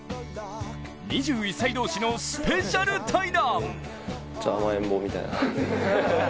２１歳同士のスペシャル対談。